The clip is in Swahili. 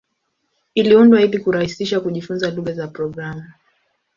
Iliundwa ili kurahisisha kujifunza lugha za programu.